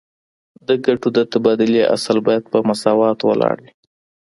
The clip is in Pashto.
د ګټو د تبادلې اصل باید په مساواتو ولاړ وي